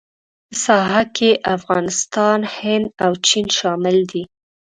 په ساحه کې افغانستان، هند او چین شامل دي.